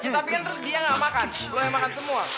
tapi kan terus dia ga makan lo yang makan semua